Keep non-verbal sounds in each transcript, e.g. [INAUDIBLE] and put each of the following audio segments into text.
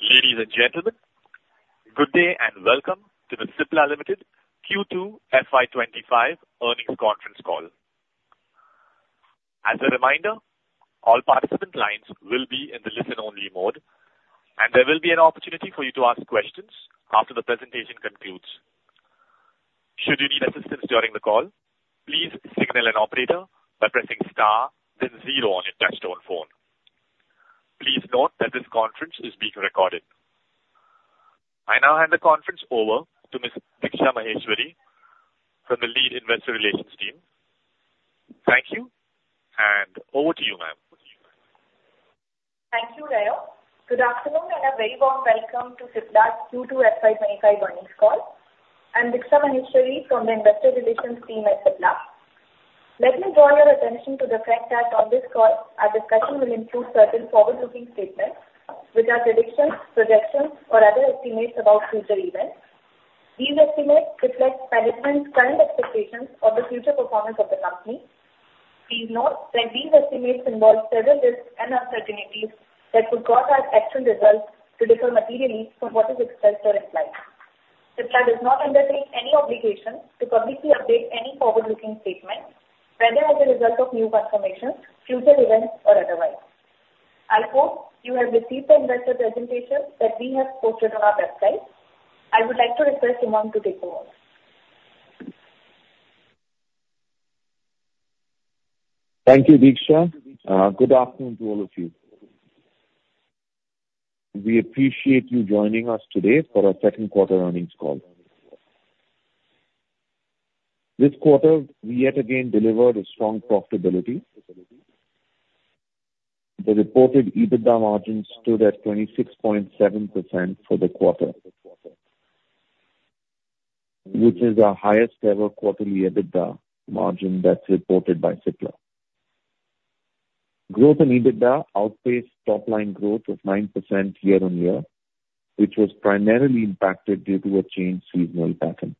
Ladies and gentlemen, good day and welcome to the Cipla Limited Q2 FY twenty-five earnings conference call. As a reminder, all participant lines will be in the listen-only mode, and there will be an opportunity for you to ask questions after the presentation concludes. Should you need assistance during the call, please signal an operator by pressing star then zero on your touchtone phone. Please note that this conference is being recorded. I now hand the conference over to Ms. Diksha Maheshwari from the Lead Investor Relations team. Thank you, and over to you, ma'am. Thank you, Ray. Good afternoon, and a very warm welcome to Cipla's Q2 FY25 earnings call. I'm Diksha Maheshwari from the Investor Relations team at Cipla. Let me draw your attention to the fact that on this call, our discussion will include certain forward-looking statements, which are predictions, projections, or other estimates about future events. These estimates reflect management's current expectations of the future performance of the company. Please note that these estimates involve several risks and uncertainties that could cause our actual results to differ materially from what is expressed or implied. Cipla does not undertake any obligation to publicly update any forward-looking statement, whether as a result of new information, future events, or otherwise. I hope you have received the investor presentation that we have posted on our website. I would like to request Umang to take over. Thank you, Diksha. Good afternoon to all of you. We appreciate you joining us today for our second quarter earnings call. This quarter, we yet again delivered a strong profitability. The reported EBITDA margin stood at 26.7% for the quarter, which is the highest ever quarterly EBITDA margin that's reported by Cipla. Growth in EBITDA outpaced top-line growth of 9% year-on-year, which was primarily impacted due to a changed seasonal pattern.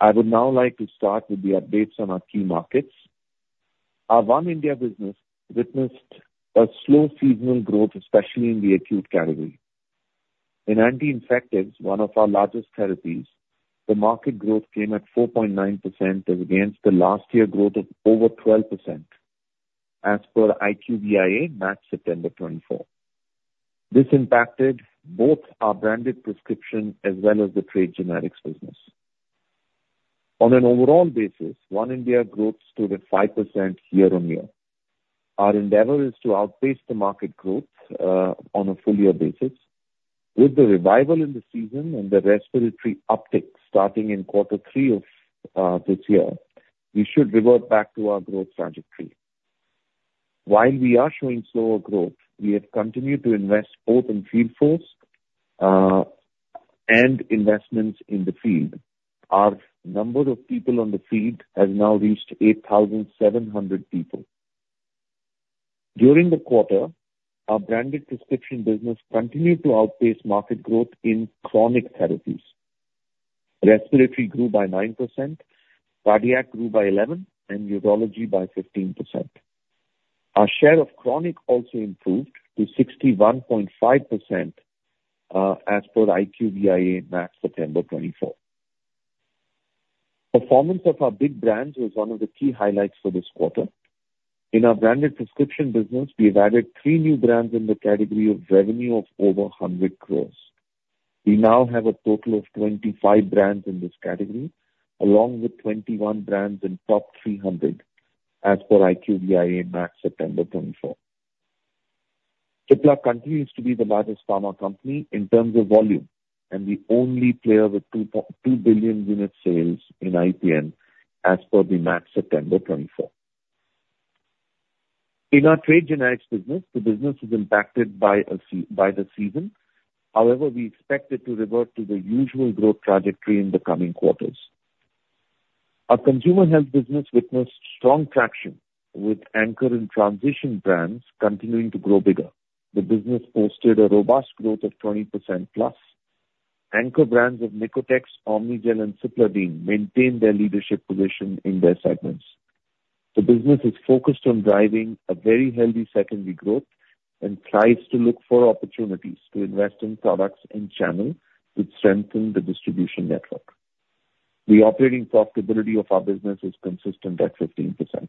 I would now like to start with the updates on our key markets. Our One India business witnessed a slow seasonal growth, especially in the acute category. In anti-infectives, one of our largest therapies, the market growth came at 4.9% as against the last year growth of over 12% as per IQVIA, March-September 2024. This impacted both our branded prescription as well as the trade generics business. On an overall basis, One India growth stood at 5% year-on-year. Our endeavor is to outpace the market growth on a full year basis. With the revival in the season and the respiratory uptick starting in quarter three of this year, we should revert back to our growth trajectory. While we are showing slower growth, we have continued to invest both in field force and investments in the field. Our number of people on the field has now reached 8,700 people. During the quarter, our branded prescription business continued to outpace market growth in chronic therapies. Respiratory grew by 9%, cardiac grew by 11%, and urology by 15%. Our share of chronic also improved to 61.5%, as per IQVIA, March-September 2024. Performance of our big brands was one of the key highlights for this quarter. In our branded prescription business, we've added three new brands in the category of revenue of over 100 crores. We now have a total of 25 brands in this category, along with 21 brands in top 300, as per IQVIA, March-September 2024. Cipla continues to be the largest pharma company in terms of volume, and the only player with two billion unit sales in IPM as per the March-September 2024. In our trade generics business, the business is impacted by the season. However, we expect it to revert to the usual growth trajectory in the coming quarters. Our consumer health business witnessed strong traction with anchor and transition brands continuing to grow bigger. The business posted a robust growth of 20% plus. Anchor brands of Nicotex, Omnigel, and Cipladine maintain their leadership position in their segments. The business is focused on driving a very healthy secondary growth and tries to look for opportunities to invest in products and channels, which strengthen the distribution network. The operating profitability of our business is consistent at 15%.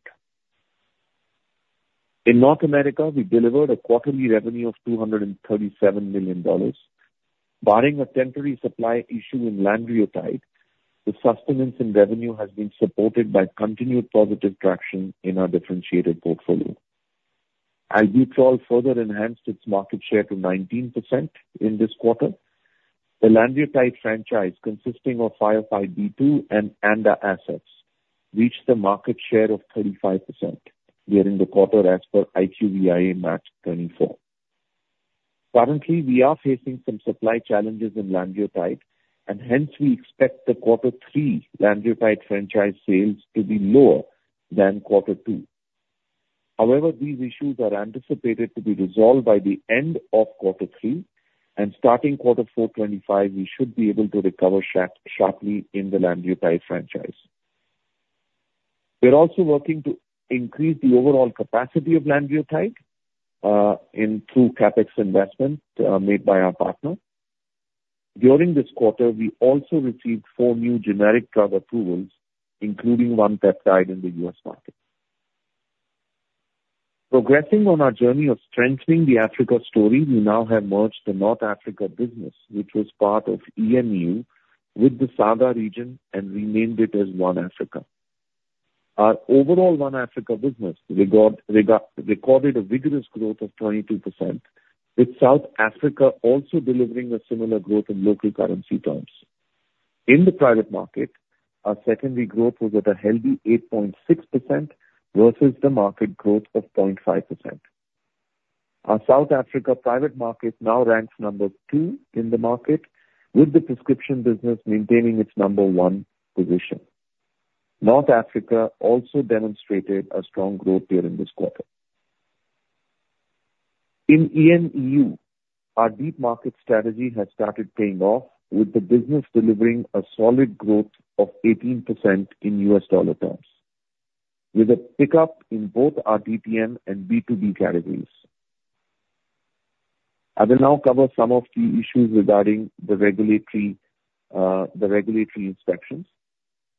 In North America, we delivered a quarterly revenue of $237 million. Barring a temporary supply issue in lanreotide, the sustenance in revenue has been supported by continued positive traction in our differentiated portfolio. Ibudilast further enhanced its market share to 19% in this quarter. The lanreotide franchise, consisting of 505(b)(2) and ANDA assets, reached a market share of 35% during the quarter as per IQVIA, March 2024. Currently, we are facing some supply challenges in lanreotide, and hence we expect the quarter three lanreotide franchise sales to be lower than quarter two. However, these issues are anticipated to be resolved by the end of quarter three, and starting quarter four, 2025, we should be able to recover sharply in the lanreotide franchise. We're also working to increase the overall capacity of lanreotide through CapEx investments made by our partner. During this quarter, we also received four new generic drug approvals, including one peptide in the U.S. market. Progressing on our journey of strengthening the Africa story, we now have merged the North Africa business, which was part of EM EU, with the SAGA region and renamed it as One Africa. Our overall One Africa business recorded a vigorous growth of 22%, with South Africa also delivering a similar growth in local currency terms. In the private market, our secondary growth was at a healthy 8.6% versus the market growth of 0.5%. Our South Africa private market now ranks number two in the market, with the prescription business maintaining its number one position. North Africa also demonstrated a strong growth during this quarter. In EMEU, our deep market strategy has started paying off, with the business delivering a solid growth of 18% in U.S. dollar terms, with a pickup in both our DPM and B2B categories. I will now cover some of the issues regarding the regulatory inspections.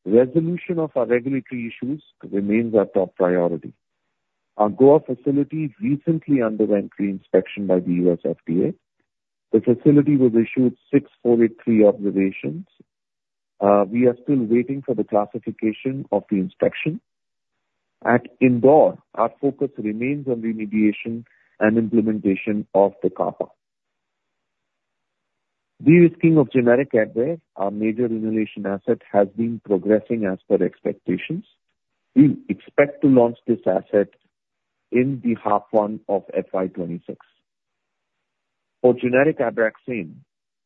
Resolution of our regulatory issues remains our top priority. Our Goa facility recently underwent re-inspection by the U.S. FDA. The facility was issued Form 483 observations. We are still waiting for the classification of the inspection. At Indore, our focus remains on remediation and implementation of the CAPA. The risking of generic Advair, our major inhalation asset, has been progressing as per expectations. We expect to launch this asset in H1 of FY 2026. For generic Abraxane,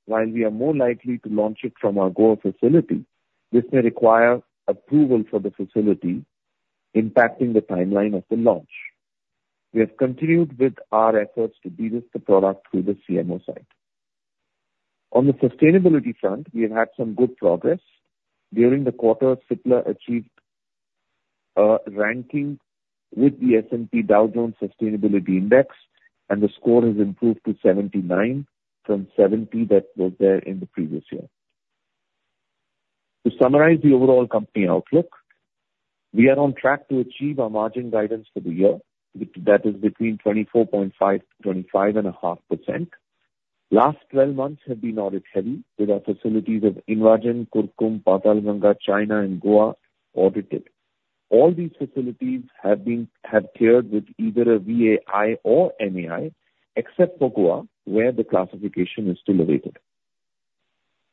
while we are more likely to launch it from our Goa facility, this may require approval for the facility, impacting the timeline of the launch. We have continued with our efforts to de-risk the product through the CMO site. On the sustainability front, we have had some good progress. During the quarter, Cipla achieved a ranking with the S&P Dow Jones Sustainability Index, and the score has improved to 79 from 70 that was there in the previous year. To summarize the overall company outlook, we are on track to achieve our margin guidance for the year. That is between 24.5% to 25.5%. Last 12 months have been audit-heavy, with our facilities of InvaGen, Kurkumbh, Patalganga, China, and Goa audited. All these facilities have cleared with either a VAI or NAI, except for Goa, where the classification is still awaited.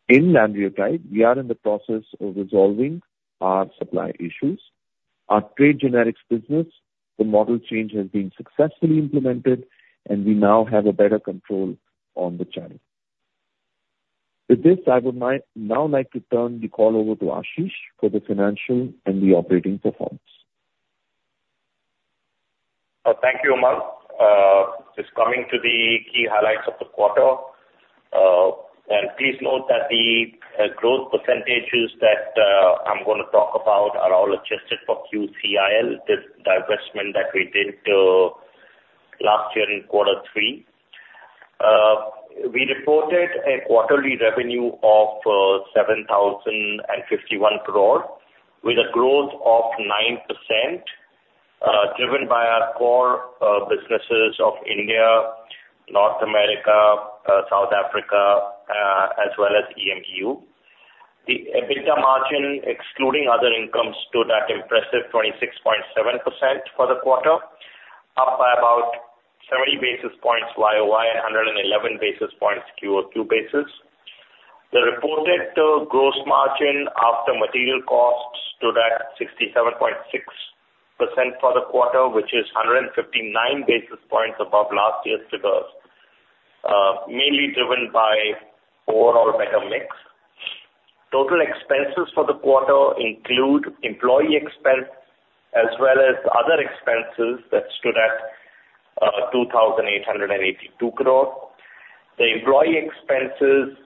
In lanreotide, we are in the process of resolving our supply issues. Our trade generics business, the model change has been successfully implemented, and we now have a better control on the channel. With this, I would like now to turn the call over to Ashish for the financial and the operating performance. Thank you, Umang. Just coming to the key highlights of the quarter, and please note that the growth percentages that I'm going to talk about are all adjusted for QCIL, this divestment that we did last year in quarter three. We reported a quarterly revenue of 7,051 crore, with a growth of 9%, driven by our core businesses of India, North America, South Africa, as well as EMEU. The EBITDA margin, excluding other incomes, stood at impressive 26.7% for the quarter, up by about 70 basis points YOY and 111 basis points QOQ basis. The reported gross margin after material costs stood at 67.6% for the quarter, which is 159 basis points above last year's figures, mainly driven by overall better mix. Total expenses for the quarter include employee expense as well as other expenses that stood at 2,882 crore. The employee expenses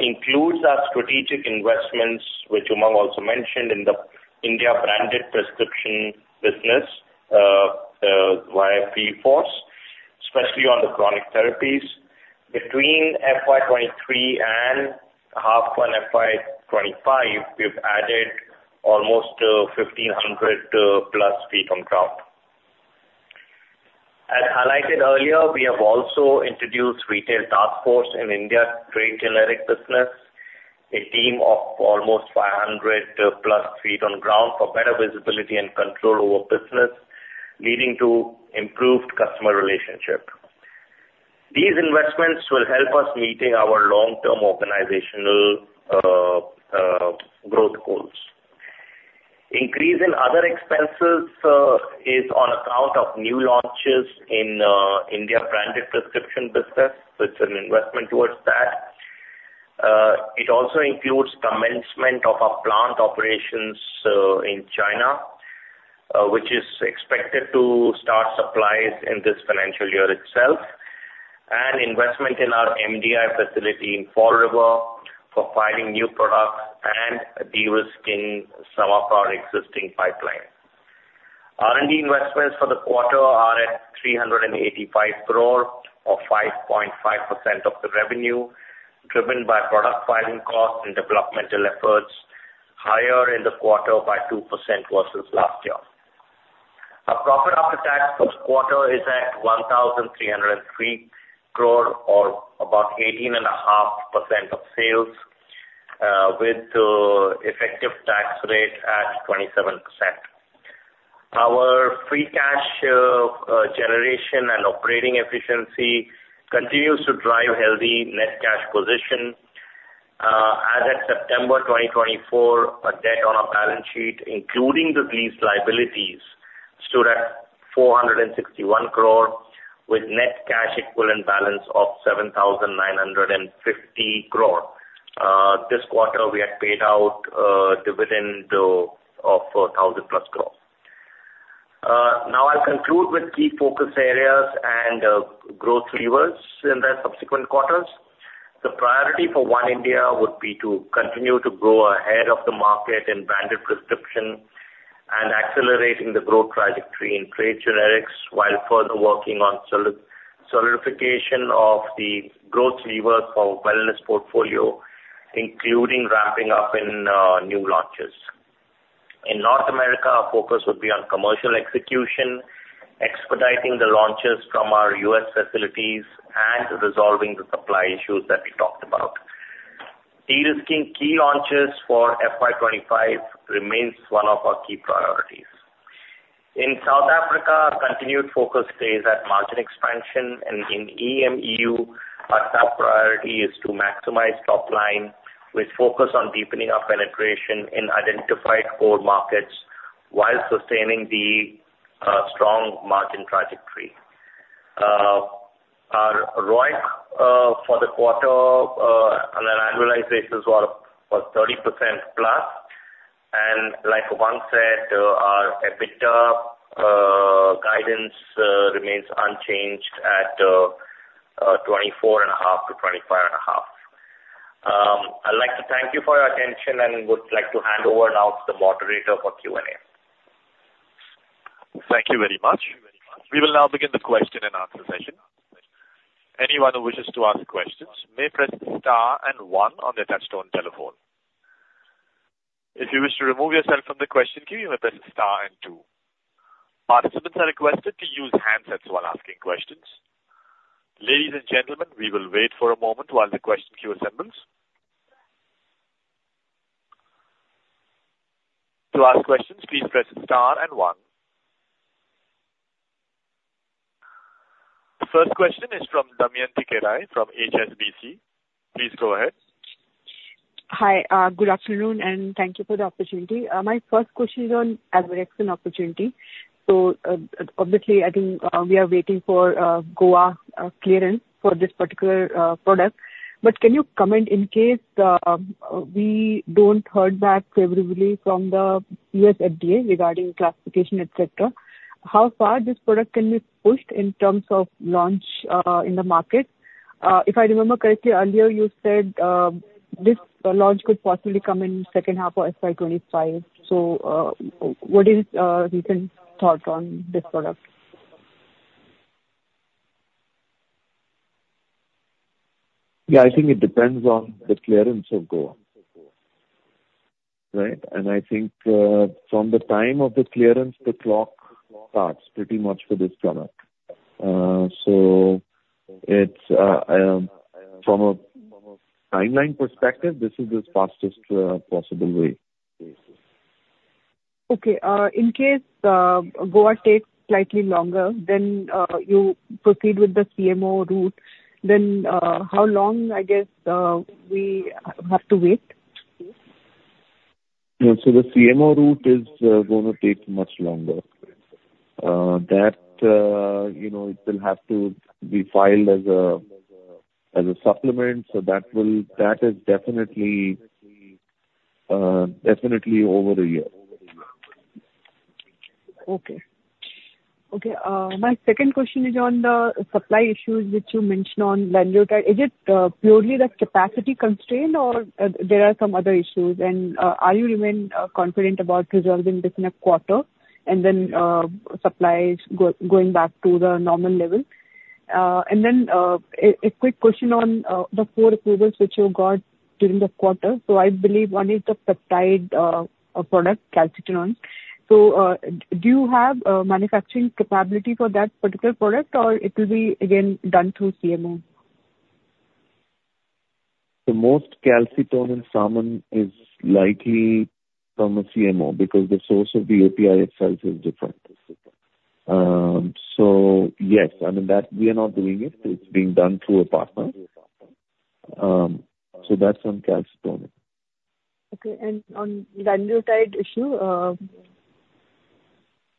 includes our strategic investments, which Umang also mentioned in the India branded prescription business via field force, especially on the chronic therapies. Between FY 2023 and H1 FY 2025, we've added almost 1,500 plus feet-on-ground. As highlighted earlier, we have also introduced retail task force in India trade generic business, a team of almost 500 plus feet-on-ground for better visibility and control over business, leading to improved customer relationship. These investments will help us meeting our long-term organizational growth goals. Increase in other expenses is on account of new launches in India branded prescription business. So it's an investment towards that. It also includes commencement of our plant operations in China, which is expected to start supplies in this financial year itself, and investment in our MDI facility in Fall River for filing new products and de-risking some of our existing pipeline. R&D investments for the quarter are at 385 crore, or 5.5% of the revenue, driven by product filing costs and developmental efforts, higher in the quarter by 2% versus last year. Our profit after tax for the quarter is at 1,303 crore, or about 18.5% of sales, with effective tax rate at 27%. Our free cash generation and operating efficiency continues to drive healthy net cash position. As at September 2024, our debt on our balance sheet, including the lease liabilities, stood at 461 crore, with net cash equivalent balance of 7,950 crore. This quarter, we had paid out dividend of thousand plus crore. Now I'll conclude with key focus areas and growth levers in the subsequent quarters. The priority for One India would be to continue to grow ahead of the market in branded prescription and accelerating the growth trajectory in trade generics, while further working on solidification of the growth lever for wellness portfolio, including wrapping up in new launches. In North America, our focus would be on commercial execution, expediting the launches from our US facilities, and resolving the supply issues that we talked about. De-risking key launches for FY twenty-five remains one of our key priorities. In South Africa, our continued focus stays at margin expansion, and in EMEU, our top priority is to maximize top line with focus on deepening our penetration in identified core markets, while sustaining the strong margin trajectory. Our ROIC for the quarter on an annualized basis was 30% plus, and like Umang said, our EBITDA guidance remains unchanged at 24.5-25.5. I'd like to thank you for your attention and would like to hand over now to the moderator for Q&A. Thank you very much. We will now begin the question and answer session. Anyone who wishes to ask questions may press star and one on their touchtone telephone. If you wish to remove yourself from the question queue, you may press star and two. Participants are requested to use handsets while asking questions. Ladies and gentlemen, we will wait for a moment while the question queue assembles. To ask questions, please press star and one. The first question is from Damayanti Kerai, from HSBC. Please go ahead. Hi, good afternoon, and thank you for the opportunity. My first question is on Abraxane opportunity. Obviously, I think, we are waiting for Goa clearance for this particular product, but can you comment in case we don't hear back favorably from the U.S. FDA regarding classification, et cetera, how far this product can be pushed in terms of launch in the market? If I remember correctly, earlier you said this launch could possibly come in second half of FY 2025. What is recent thought on this product? Yeah, I think it depends on the clearance of Goa, right? And I think, from the time of the clearance, the clock starts pretty much for this product. So it's, from a timeline perspective, this is the fastest, possible way. Okay. In case Goa takes slightly longer, then you proceed with the CMO route, then how long, I guess, we have to wait? Yeah. So the CMO route is gonna take much longer. That, you know, it will have to be filed as a supplement, so that will... That is definitely, definitely over a year. Okay. Okay, my second question is on the supply issues which you mentioned on lanreotide. Is it purely the capacity constraint, or there are some other issues? And, are you remain confident about resolving this in a quarter, and then, supplies going back to the normal level? And then, a quick question on the four approvals which you got during the quarter. So I believe one is the peptide product, calcitonin. So, do you have a manufacturing capability for that particular product, or it will be again done through CMO? The most Calcitonin salmon is likely from a CMO, because the source of the API itself is different. So yes, I mean, that we are not doing it, it's being done through a partner. So that's on calcitonin. Okay. And on anreotide issue,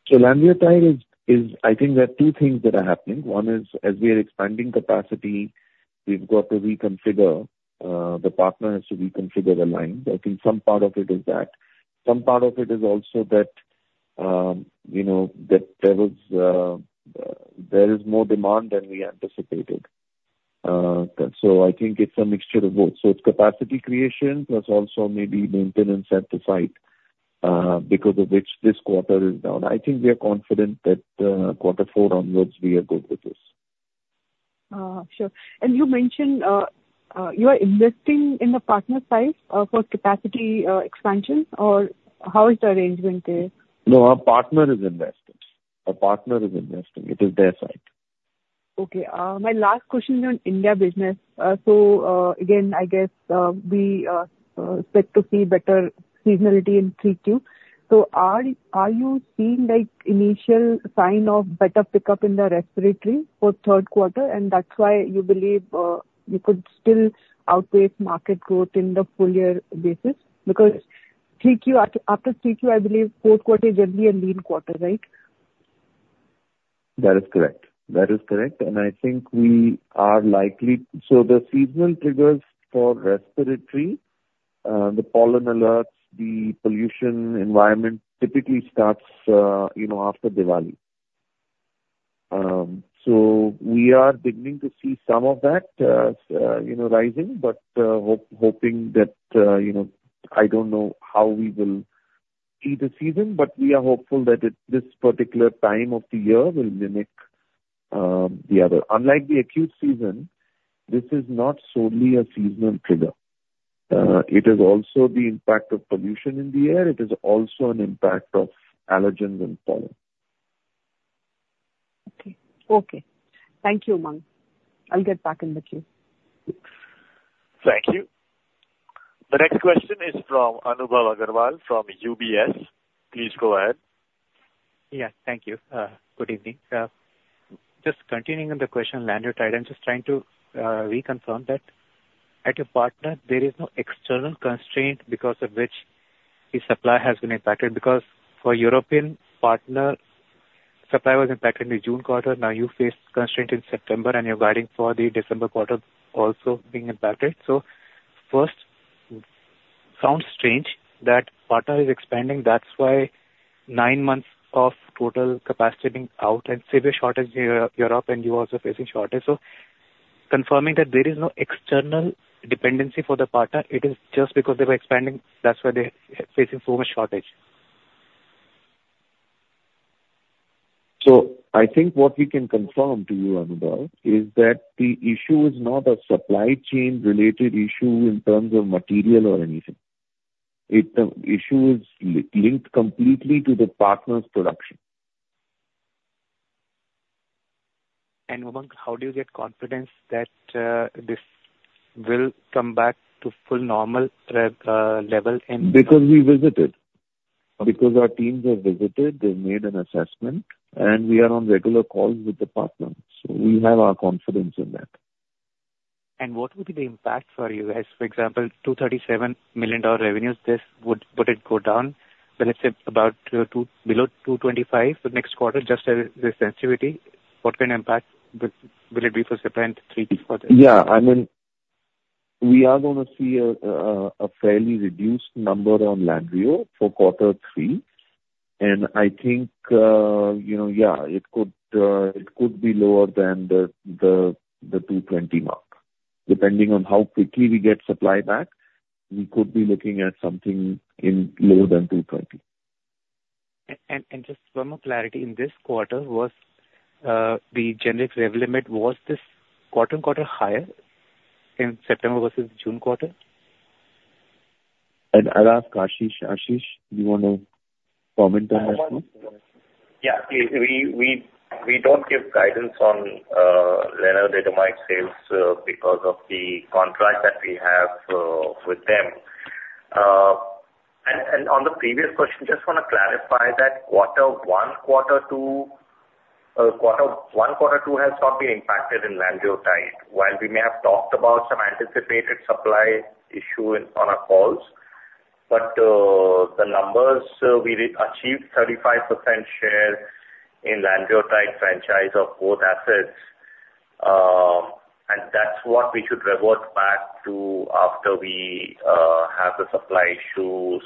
So lanreotide is... I think there are two things that are happening. One is, as we are expanding capacity-... we've got to reconfigure, the partner has to reconfigure the line. I think some part of it is that. Some part of it is also that, you know, that there was, there is more demand than we anticipated. So I think it's a mixture of both. So it's capacity creation, plus also maybe maintenance at the site, because of which this quarter is down. I think we are confident that, quarter four onwards, we are good with this. Sure. You mentioned you are investing in the partner site for capacity expansion. Or how is the arrangement there? No, our partner is investing. Our partner is investing. It is their site. Okay, my last question is on India business. So, again, I guess, we expect to see better seasonality in 3Q. So are you seeing, like, initial sign of better pickup in the respiratory for third quarter, and that's why you believe you could still outpace market growth in the full year basis? Because 3Q, after 3Q, I believe, fourth quarter is generally a lean quarter, right? That is correct. That is correct, and I think we are likely... So the seasonal triggers for respiratory, the pollen alerts, the pollution environment, typically starts, you know, after Diwali. So we are beginning to see some of that, you know, rising, but, hope, hoping that, you know, I don't know how we will see the season, but we are hopeful that it, this particular time of the year will mimic, the other. Unlike the acute season, this is not solely a seasonal trigger. It is also the impact of pollution in the air. It is also an impact of allergens and pollen. Okay. Okay. Thank you, Umang. I'll get back in the queue. Thank you. The next question is from Anubhav Agarwal from UBS. Please go ahead. Yeah, thank you. Good evening. Just continuing on the question, lanreotide, I'm just trying to reconfirm that at your partner, there is no external constraint because of which the supply has been impacted. Because for European partner, supply was impacted in the June quarter. Now, you faced constraint in September, and you're guiding for the December quarter also being impacted. So first, sounds strange that partner is expanding, that's why nine months of total capacity being out and severe shortage in Europe, and you are also facing shortage. So confirming that there is no external dependency for the partner, it is just because they were expanding, that's why they are facing so much shortage. I think what we can confirm to you, Anubhav, is that the issue is not a supply chain-related issue in terms of material or anything. The issue is linked completely to the partner's production. Umang, how do you get confidence that this will come back to full normal level in-? Because we visited. Because our teams have visited, they've made an assessment, and we are on regular calls with the partner, so we have our confidence in that. And what would be the impact for you? As for example, $237 million dollar revenues, this would it go down, let's say, about 2 below 225 the next quarter, just as the sensitivity? What kind of impact would it be for Cipla and 3Q for this? Yeah, I mean, we are gonna see a fairly reduced number on lanreotide for quarter three. And I think, you know, yeah, it could be lower than the 220 mark. Depending on how quickly we get supply back, we could be looking at something lower than 220. And just one more clarity. In this quarter was the generic Revlimid, was this quarter-on-quarter higher in September versus June quarter? I'll ask Ashish. Ashish, do you want to comment on this one? Yeah. We don't give guidance on lenalidomide sales because of the contract that we have with them. On the previous question, just wanna clarify that quarter one, quarter two has not been impacted in Lanreotide. While we may have talked about some anticipated supply issue in our calls, but the numbers we re-achieved 35% share in Lanreotide franchise of both assets. And that's what we should revert back to after we have the supply issues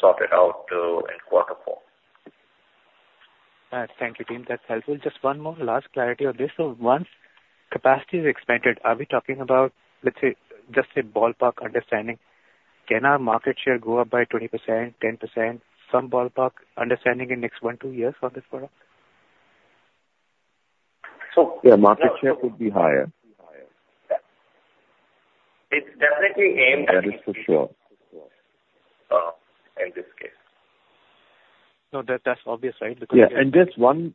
sorted out in quarter four. Thank you, team. That's helpful. Just one more last clarity on this. So once capacity is expanded, are we talking about, let's say, just a ballpark understanding, can our market share go up by 20%, 10%? Some ballpark understanding in next one, two years for this product? Yeah, market share could be higher. It's definitely aimed at- [CROSSTALK] That is for sure.... in this case. No, that's obvious, right? Because- Yeah, and just one-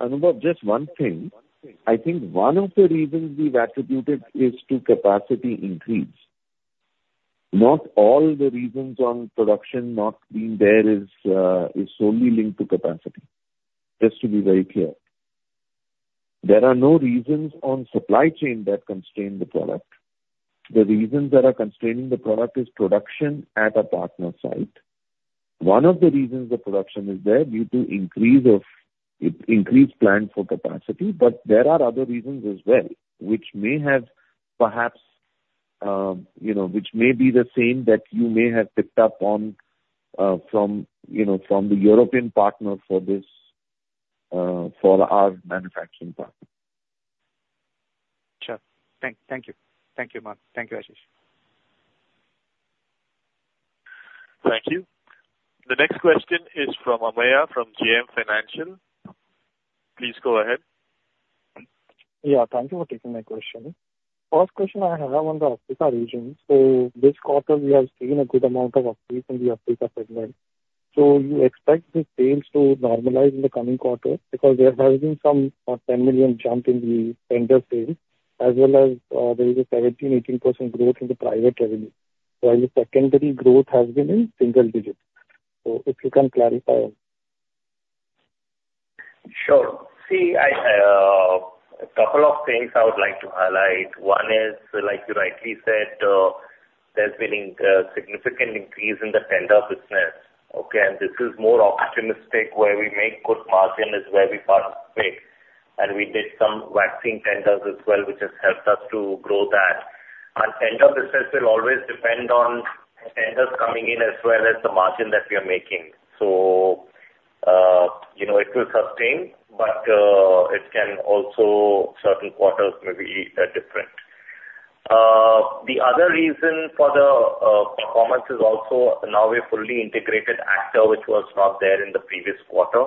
Anubhav, just one thing. I think one of the reasons we've attributed is to capacity increase. Not all the reasons on production not being there is solely linked to capacity. Just to be very clear. There are no reasons on supply chain that constrain the product. The reasons that are constraining the product is production at a partner site. One of the reasons the production is there due to increase of, increased plan for capacity, but there are other reasons as well, which may have perhaps, you know, which may be the same that you may have picked up on, from, you know, from the European partner for this, for our manufacturing part. Sure. Thank you. Thank you, Ma. Thank you, Ashish. Thank you. The next question is from Ameya, from JM Financial. Please go ahead. Yeah, thank you for taking my question. First question I have on the Africa region. So this quarter, we have seen a good amount of uptake in the Africa segment. So you expect the sales to normalize in the coming quarter? Because there has been some 10 million jump in the tender sales, as well as there is a 17-18% growth in the private revenue, while the secondary growth has been in single digits. So if you can clarify. Sure. See, I, a couple of things I would like to highlight. One is, like you rightly said, there's been a significant increase in the tender business, okay? And this is more optimistic, where we make good margin is where we participate. And we did some vaccine tenders as well, which has helped us to grow that. Our tender business will always depend on tenders coming in, as well as the margin that we are making. So, you know, it will sustain, but, it can also certain quarters may be different. The other reason for the performance is also now we're a fully integrated Actor, which was not there in the previous quarter.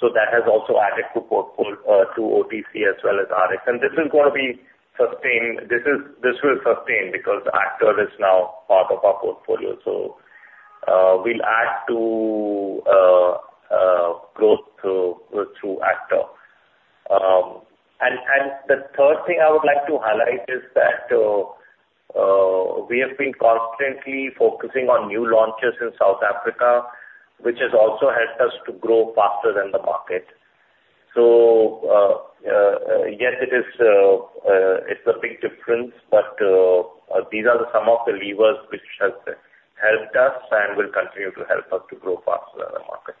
So that has also added to OTC as well as RX. And this is gonna be sustained. This is, this will sustain because the Actor is now part of our portfolio. So, we'll add to growth through Actor. And the third thing I would like to highlight is that we have been constantly focusing on new launches in South Africa, which has also helped us to grow faster than the market. So yes, it is, it's a big difference, but these are some of the levers which has helped us and will continue to help us to grow faster than the market.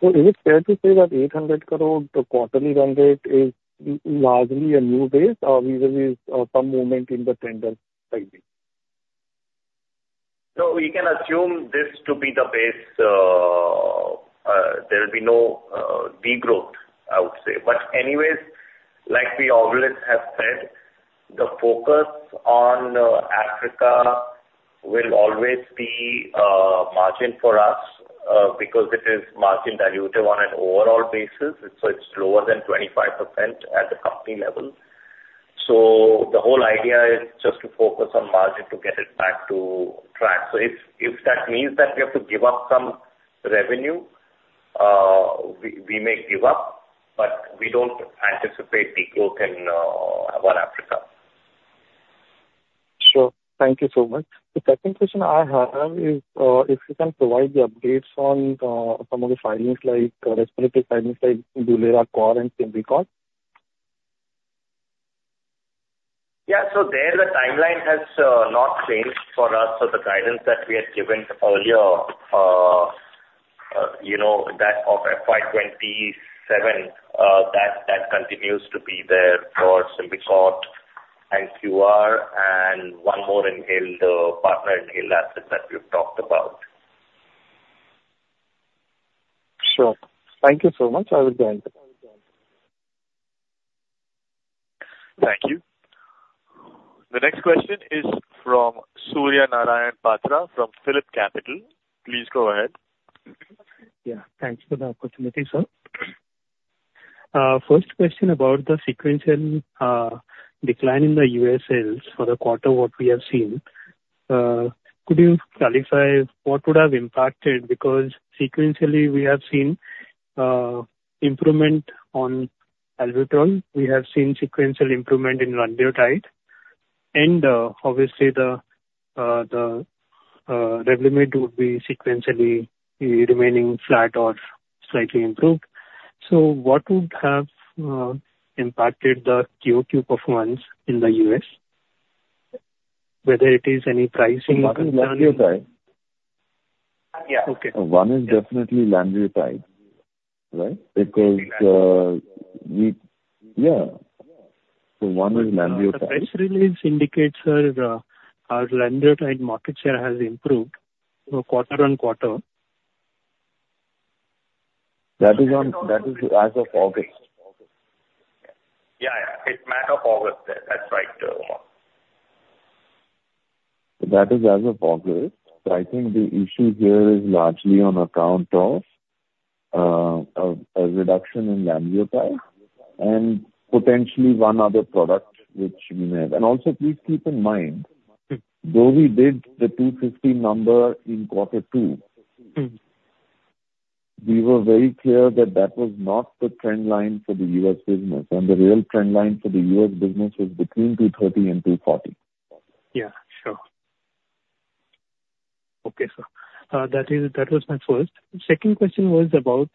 So is it fair to say that 800 crore, the quarterly run rate is largely a new base, or we will see some movement in the tender cycle? No, we can assume this to be the base. There will be no degrowth, I would say. But anyways, like we always have said, the focus on Africa will always be margin for us, because it is margin dilutive on an overall basis, so it's lower than 25% at the company level. So the whole idea is just to focus on margin, to get it back to track. So if that means that we have to give up some revenue, we may give up, but we don't anticipate degrowth in our Africa. Sure. Thank you so much. The second question I have is, if you can provide the updates on, some of the filings, like, respiratory filings, like Dulera, QVAR and Symbicort? Yeah. So there, the timeline has not changed for us. So the guidance that we had given earlier, you know, that of FY 2027, that continues to be there for Symbicort and QVAR and one more inhaled partner inhaled asset that we've talked about. Sure. Thank you so much. I will join. Thank you. The next question is from Surya Narayan Patra, from PhillipCapital. Please go ahead. Yeah, thanks for the opportunity, sir. First question about the sequential decline in the U.S. sales for the quarter, what we have seen. Could you clarify what would have impacted? Because sequentially, we have seen improvement on Albuterol. We have seen sequential improvement in Lanreotide. And obviously, the Revlimid would be sequentially remaining flat or slightly improved. So what would have impacted the Q2 performance in the U.S., whether it is any pricing concern? One is Lanreotide. Yeah. Okay. One is definitely Lanreotide, right? Because, so one is Lanreotide. The price release indicates, sir, our Lanreotide market share has improved quarter-on-quarter. That is as of August. Yeah, yeah. It's as of August then. That's right, Umang. That is as of August. So I think the issue here is largely on account of a reduction in Lanreotide, and potentially one other product which we may have. And also, please keep in mind- Mm. though we did the 250 number in quarter two. Mm. We were very clear that that was not the trend line for the U.S. business, and the real trend line for the U.S. business was between 230 and 240. Yeah, sure. Okay, sir. That is, that was my first. Second question was about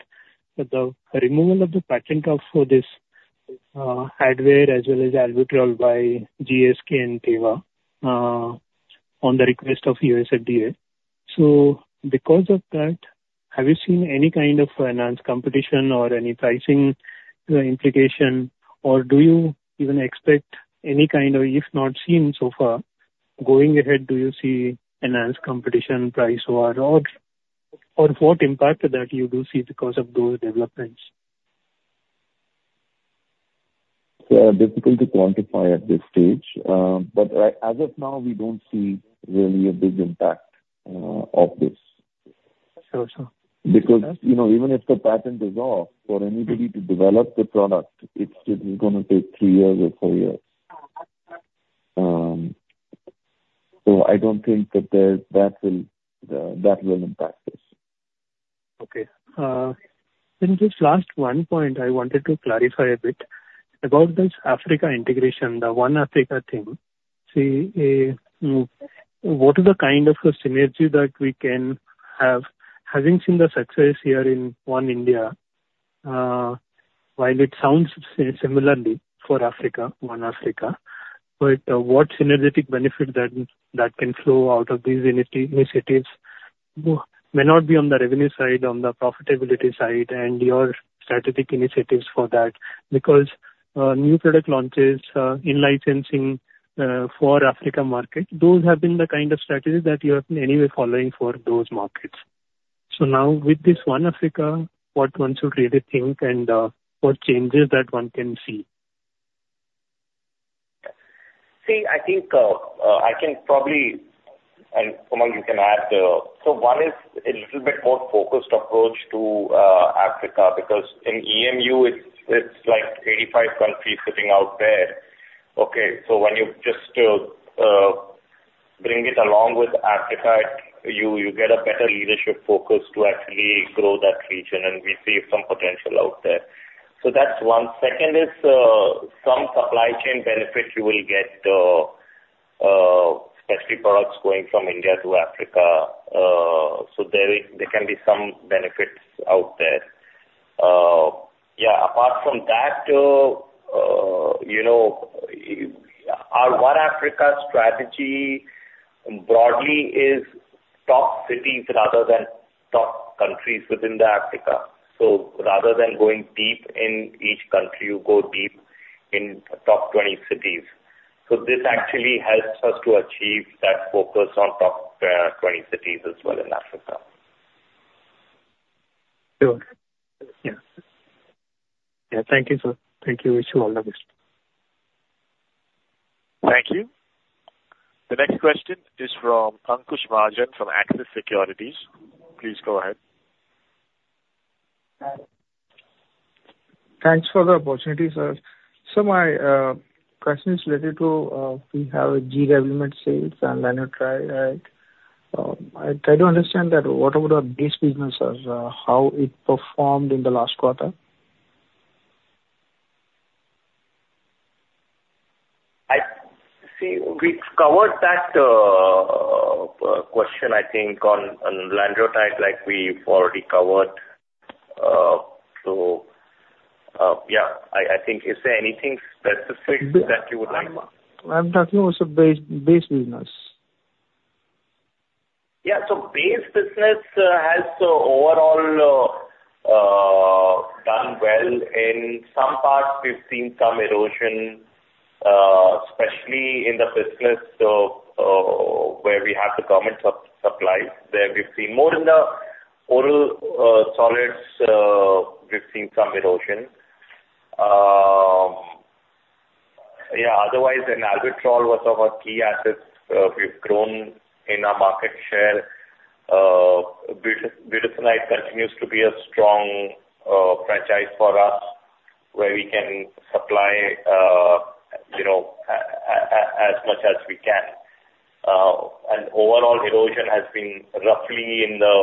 the removal of the patent clause for this, Advair as well as Albuterol by GSK and Teva, on the request of U.S. FDA. So because of that, have you seen any kind of enhanced competition or any pricing implication, or do you even expect any kind, or if not seen so far, going ahead, do you see enhanced competition, price war, or what impact that you do see because of those developments? Difficult to quantify at this stage, but right, as of now, we don't see really a big impact of this. Sure, sir. Because, you know, even if the patent is off, for anybody to develop the product, it's still gonna take three years or four years. So I don't think that will impact this. Okay, then just last one point I wanted to clarify a bit about this Africa integration, the One Africa thing. See, what is the kind of a synergy that we can have, having seen the success here in One India? While it sounds similarly for Africa, One Africa, but, what synergetic benefit that, that can flow out of these initiatives, may not be on the revenue side, on the profitability side, and your strategic initiatives for that. Because, new product launches, in licensing, for Africa market, those have been the kind of strategies that you have been anyway following for those markets. So now with this One Africa, what one should really think and, what changes that one can see? See, I think, I can probably, and Umang, you can add, so one is a little bit more focused approach to Africa, because in EMEU it's like eighty-five countries sitting out there. Okay, so when you just bring it along with Africa, you get a better leadership focus to actually grow that region, and we see some potential out there. So that's one. Second is, some supply chain benefits you will get, especially products going from India to Africa. So there can be some benefits out there. Yeah, apart from that, you know, our One Africa strategy broadly is top cities rather than top countries within Africa. So rather than going deep in each country, you go deep in top twenty cities. This actually helps us to achieve that focus on top 20 cities as well in Africa. Sure. Yeah. Yeah, thank you, sir. Thank you. Wish you all the best. Thank you. The next question is from Ankush Mahajan, from Axis Securities. Please go ahead. Thanks for the opportunity, sir. So my question is related to we have government sales and then I try to understand that what about the base business, how it performed in the last quarter? See, we've covered that question I think, on Lanreotide, like, we've already covered. So, yeah, I think is there anything specific that you would like? I'm talking also base business. Yeah, so base business has overall done well. In some parts, we've seen some erosion, especially in the business of where we have the government supplies. There we've seen more in the oral solids, we've seen some erosion. Yeah, otherwise, Albuterol was one of our key assets. We've grown in our market share. Butorphanol continues to be a strong franchise for us, where we can supply, you know, as much as we can. And overall erosion has been roughly in the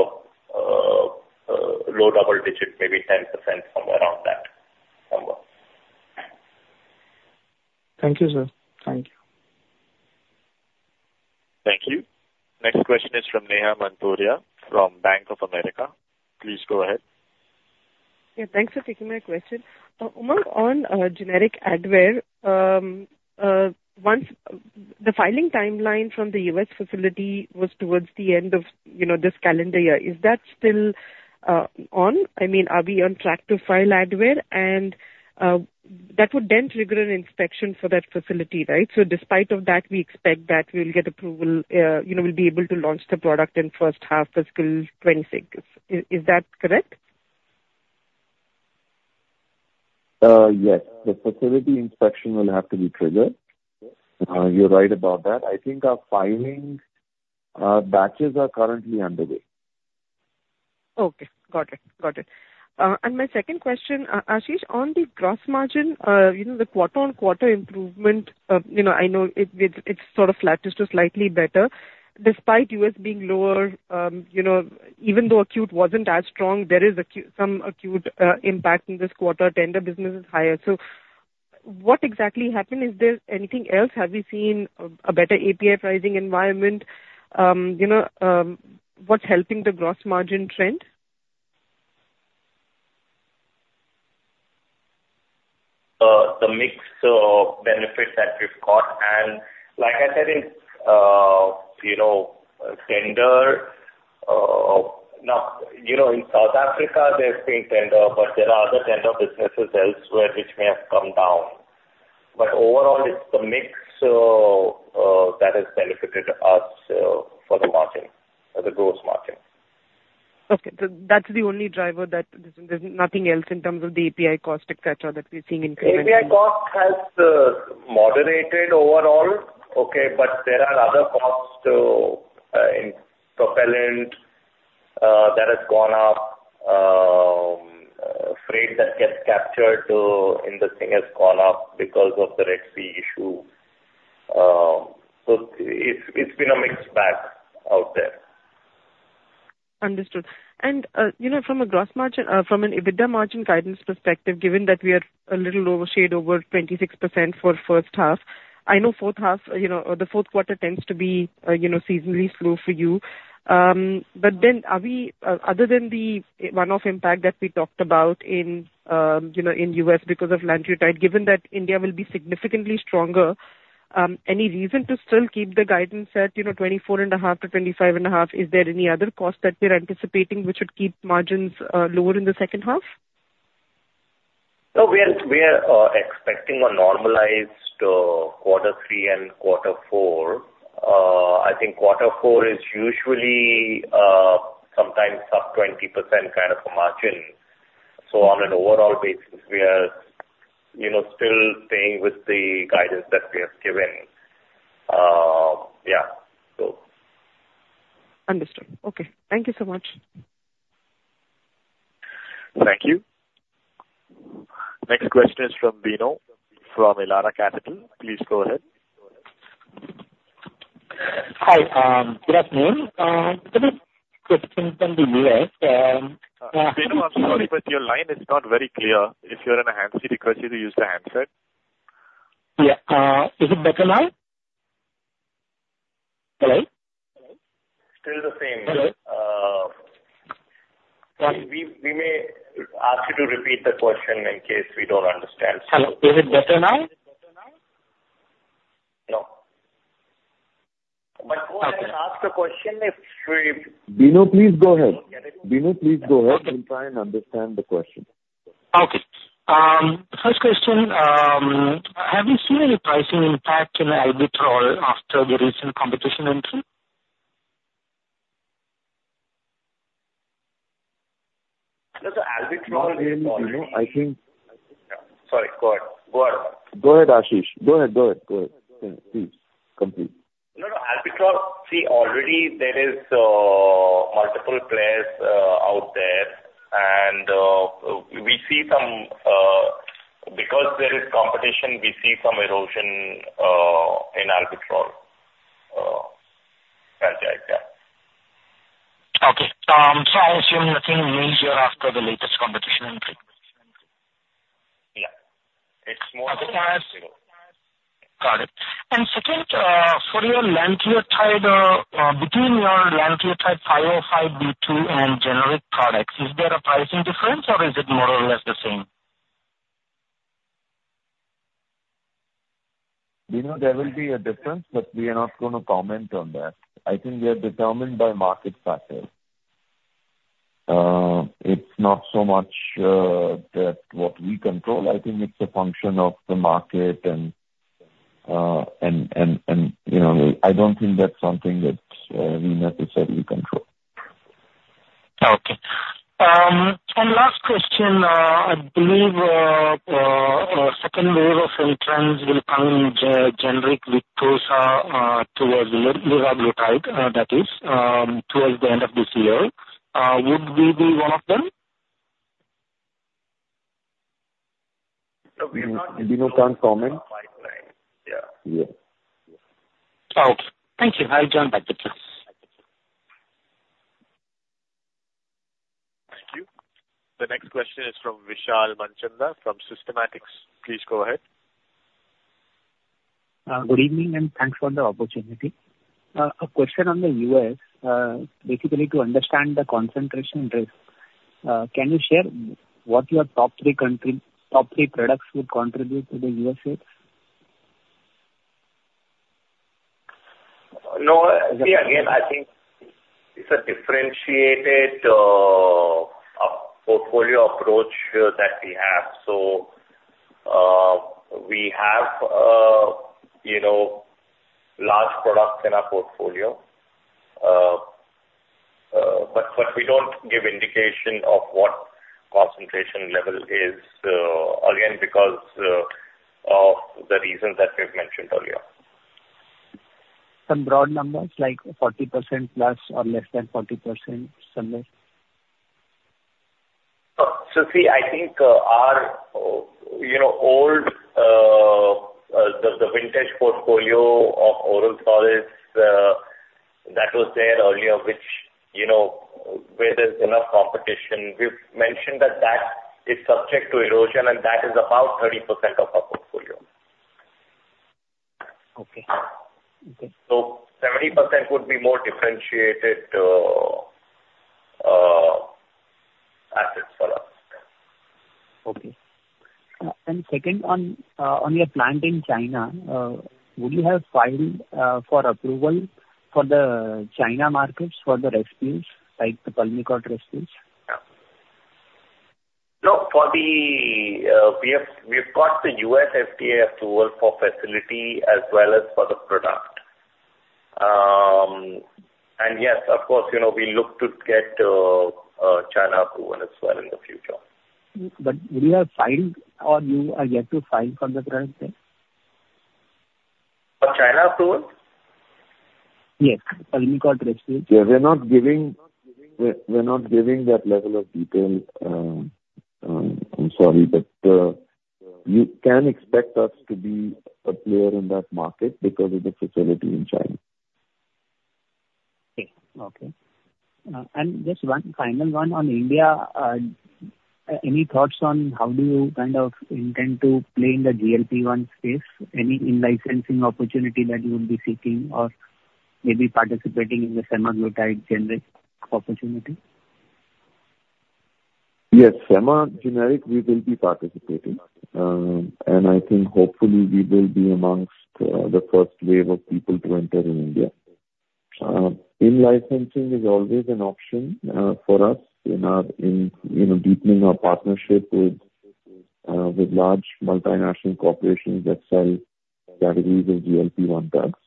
low double digit, maybe 10%, somewhere around that number. Thank you, sir. Thank you. Thank you. Next question is from Neha Manpuria from Bank of America. Please go ahead. Yeah, thanks for taking my question. Umang, on generic Advair, the filing timeline from the US facility was towards the end of, you know, this calendar year. Is that still on? I mean, are we on track to file Advair? And that would then trigger an inspection for that facility, right? So despite of that, we expect that we'll get approval, you know, we'll be able to launch the product in first half fiscal twenty-six. Is that correct? Yes. The facility inspection will have to be triggered. You're right about that. I think our filing, batches are currently underway. Okay, got it. Got it. And my second question, Ashish, on the gross margin, you know, the quarter-on-quarter improvement, you know, I know it's sort of flat to slightly better. Despite US being lower, you know, even though acute wasn't as strong, there is some acute impact in this quarter. Tender business is higher. So what exactly happened? Is there anything else? Have we seen a better API pricing environment? You know, what's helping the gross margin trend?... The mix benefits that we've got, and like I said, in you know, tender now, you know, in South Africa there's been tender, but there are other tender businesses elsewhere which may have come down. But overall, it's the mix that has benefited us for the margin, or the gross margin. Okay. So that's the only driver, that there's nothing else in terms of the API cost, et cetera, that we're seeing increase? API cost has moderated overall, okay, but there are other costs too in propellant that has gone up. Freight that gets captured too in this thing has gone up because of the Red Sea issue. So it's been a mixed bag out there. Understood. You know, from a gross margin, from an EBITDA margin guidance perspective, given that we are a little over, shade over 26% for first half, I know second half, you know, or the fourth quarter tends to be, you know, seasonally slow for you. But then are we, other than the one-off impact that we talked about in, you know, in U.S. because of Lanreotide, given that India will be significantly stronger, any reason to still keep the guidance at, you know, 24.5%-25.5%? Is there any other cost that we're anticipating which would keep margins lower in the second half? No, we are expecting a normalized quarter three and quarter four. I think quarter four is usually sometimes up 20%, kind of a margin. So on an overall basis, we are, you know, still staying with the guidance that we have given. Yeah, so. Understood. Okay. Thank you so much. Thank you. Next question is from Bino, from Elara Capital. Please go ahead. Hi, good afternoon. Couple of questions from the U.S., Bino, I'm sorry, but your line is not very clear. If you're in a hands-free, we request you to use the handset. Yeah. Is it better now? Hello? Hello. Still the same. Hello. Uh- Sorry. We may ask you to repeat the question in case we don't understand. Hello. Is it better now? No. Okay. But go ahead and ask the question if we- Bino, please go ahead. Bino, please go ahead. We'll try and understand the question. Okay. First question, have you seen any pricing impact in Albuterol after the recent competition entry? No, so Albuterol- Not really, Bino, I think- [CROSSTALK] Sorry, go ahead. Go ahead. Go ahead, Ashish. Go ahead. Please, complete. No, no, Albuterol, see, already there is multiple players out there and we see some. Because there is competition, we see some erosion in Albuterol. Got that, yeah. Okay. So I assume nothing major after the latest competition entry? Yeah. It's more- [CROSSTALK] Got it. And second, for your Lanreotide 505(b)(2) and generic products, is there a pricing difference or is it more or less the same? Bino, there will be a difference, but we are not going to comment on that. I think they're determined by market factors. It's not so much that what we control. I think it's a function of the market and, you know, I don't think that's something that we necessarily control. Okay, and last question, I believe a second wave of entrants will come in generic Victosa towards liraglutide, that is, towards the end of this year. Would we be one of them? No, we are not- [CROSSTALK] Bino, can't comment. Yeah. Yeah. Okay. Thank you. I'll join back the queue. Thank you. The next question is from Vishal Manchanda from Systematix. Please go ahead. Good evening, and thanks for the opportunity. A question on the U.S., basically to understand the concentration risk, can you share what your top three country-- top three products would contribute to the U.S. sales? No, see, again, I think it's a differentiated portfolio approach that we have. So, we have, you know, large products in our portfolio. But we don't give indication of what concentration level is, again, because of the reasons that we've mentioned earlier. Some broad numbers, like 40% plus or less than 40%, something? So, see, I think our old vintage portfolio of oral solids that was there earlier, which, you know, where there's enough competition, we've mentioned that that is subject to erosion and that is about 30% of our portfolio.... Okay. Okay. 70% would be more differentiated assets for us. Okay. And second, on your plant in China, would you have filed for approval for the China markets, for the rescues, like the Pulmicort rescues? No, for the, we have, we've got the U.S. FDA approval for facility as well as for the product. And yes, of course, you know, we look to get China approval as well in the future. But do you have filed, or you are yet to file for the current thing? For China approval? Yes, Pulmicort Respules. Yeah, we're not giving that level of detail. I'm sorry, but you can expect us to be a player in that market because of the facility in China. Okay, okay, and just one final one on India. Any thoughts on how do you kind of intend to play in the GLP-1 space? Any in-licensing opportunity that you will be seeking or maybe participating in the semaglutide generic opportunity? Yes, Semaglutide generic, we will be participating, and I think hopefully we will be amongst the first wave of people to enter in India. In-licensing is always an option for us in our, you know, deepening our partnership with large multinational corporations that sell categories of GLP-1 drugs,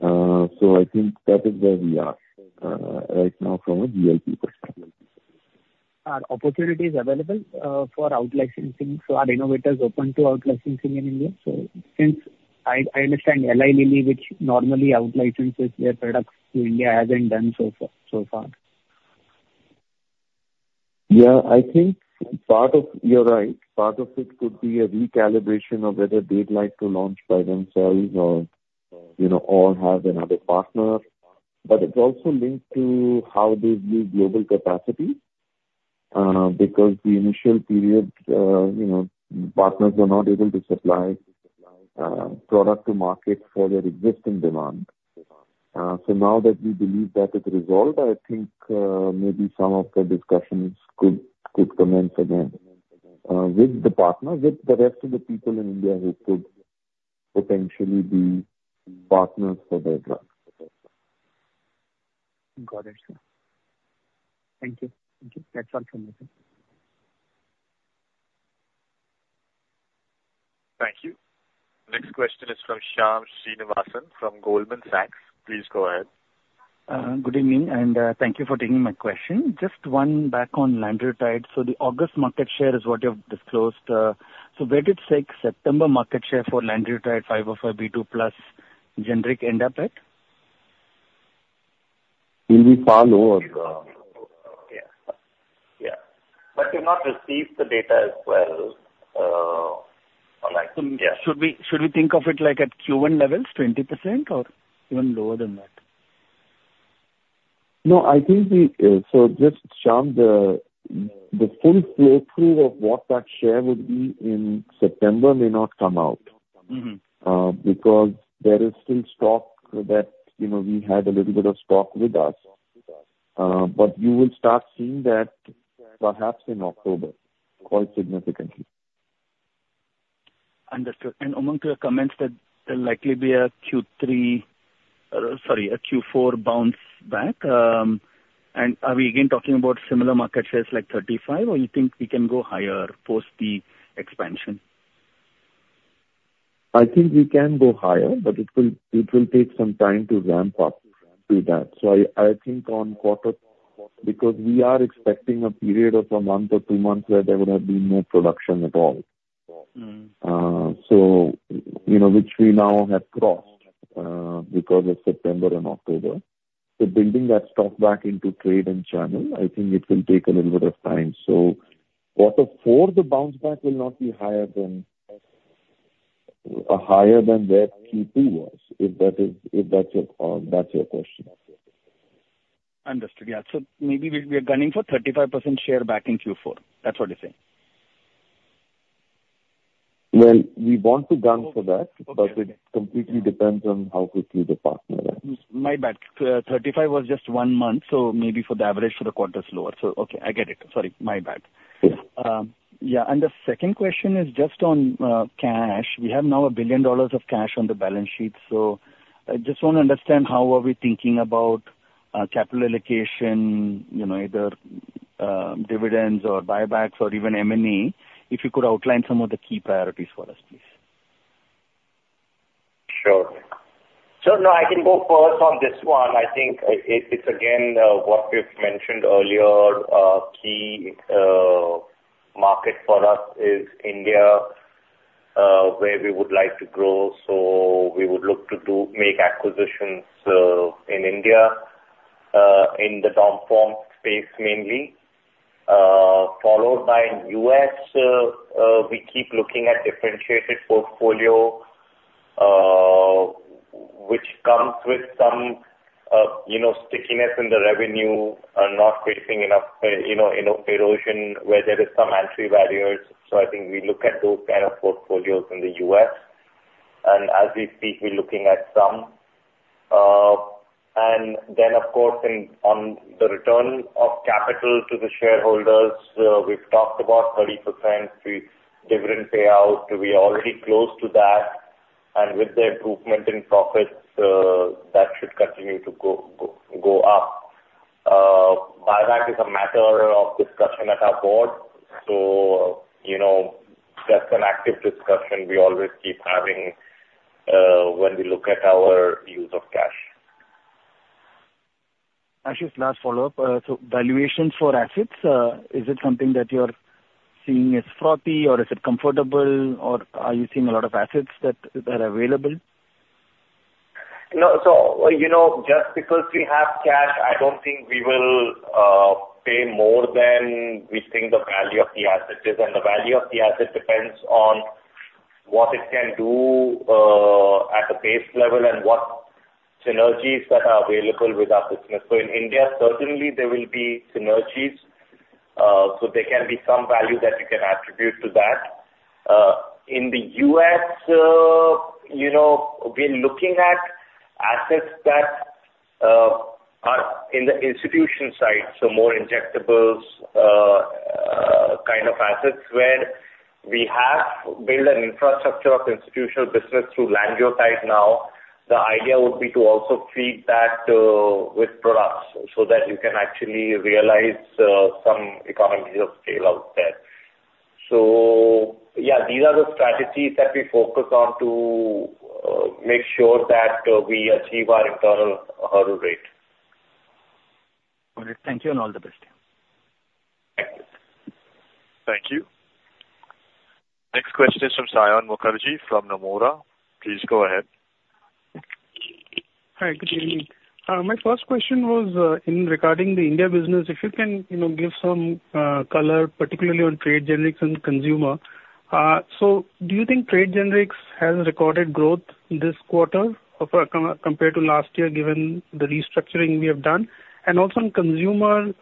so I think that is where we are right now from a GLP-1 perspective. Are opportunities available for out-licensing? So are innovators open to out-licensing in India? So since I understand Eli Lilly, which normally out-licenses their products to India, hasn't done so far. Yeah, I think part of... You're right. Part of it could be a recalibration of whether they'd like to launch by themselves or, you know, or have another partner. But it's also linked to how they view global capacity, because the initial period, you know, partners were not able to supply product to market for their existing demand. So now that we believe that is resolved, I think maybe some of the discussions could commence again, with the partner, with the rest of the people in India who could potentially be partners for their drugs. Got it, sir. Thank you. Thank you. That's all from me, sir. Thank you. Next question is from Shyam Srinivasan, from Goldman Sachs. Please go ahead. Good evening, and thank you for taking my question. Just one back on Lanreotide. So the August market share is what you've disclosed. So where did, say, September market share for Lanreotide 505(b)(2) plus generic end up at? It will be far lower. Yeah. But we've not received the data as well, or like, yeah. Should we think of it like at Q1 levels, 20%, or even lower than that? No, I think we, so just, Shyam, the full playthrough of what that share would be in September may not come out. Mm-hmm. Because there is still stock that, you know, we had a little bit of stock with us. But you will start seeing that perhaps in October, quite significantly. Understood. And Umang, your comments that there'll likely be a Q4 bounce back. And are we again talking about similar market shares, like 35, or you think we can go higher post the expansion? I think we can go higher, but it will take some time to ramp up to that, so I think on quarter, because we are expecting a period of a month or two months where there would have been no production at all. Mm. So, you know, which we now have crossed because of September and October. So building that stock back into trade and channel, I think it will take a little bit of time. So quarter four, the bounce back will not be higher than where Q2 was, if that's your question. Understood. Yeah. So maybe we are gunning for 35% share back in Q4. That's what you're saying? We want to gun for that- Okay. but it completely depends on how quickly the partner acts. My bad. Thirty-five was just one month, so maybe for the average for the quarter is lower. So, okay, I get it. Sorry, my bad. Yeah. Yeah, and the second question is just on cash. We have now $1 billion of cash on the balance sheet. So I just want to understand how are we thinking about capital allocation, you know, either dividends or buybacks or even M&A. If you could outline some of the key priorities for us, please. Sure. So no, I can go first on this one. I think it's again what we've mentioned earlier, key market for us is India, where we would like to grow. So we would look to make acquisitions in India in the domestic pharma space mainly, followed by U.S. We keep looking at differentiated portfolio which comes with some, you know, stickiness in the revenue and not facing enough, you know, erosion where there is some entry barriers. So I think we look at those kind of portfolios in the U.S., and as we speak, we're looking at some. And then, of course, on the return of capital to the shareholders, we've talked about 30% dividend payout. We are already close to that, and with the improvement in profits, that should continue to go up. Buyback is a matter of discussion at our board, so, you know, that's an active discussion we always keep having, when we look at our use of cash. Ashish, last follow-up. So valuation for assets, is it something that you're seeing as frothy, or is it comfortable, or are you seeing a lot of assets that are available? No. So, you know, just because we have cash, I don't think we will pay more than we think the value of the asset is. And the value of the asset depends on what it can do at a base level and what synergies that are available with our business. So in India, certainly there will be synergies, so there can be some value that we can attribute to that. In the US, you know, we're looking at assets that are in the institution side, so more injectables, kind of assets where we have built an infrastructure of institutional business through Lanreotide now. The idea would be to also feed that with products so that you can actually realize some economies of scale out there. So yeah, these are the strategies that we focus on to make sure that we achieve our internal hurdle rate. All right. Thank you, and all the best. Thank you. Thank you. Next question is from Saion Mukherjee from Nomura. Please go ahead. Hi, good evening. My first question was, in regarding the India business, if you can, you know, give some color, particularly on trade generics and consumer. So do you think trade generics has recorded growth this quarter compared to last year, given the restructuring we have done? And also on consumer,